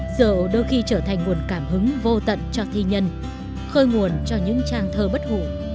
rượu đôi khi trở thành nguồn cảm hứng vô tận cho thi nhân khơi nguồn cho những trang thơ bất hủ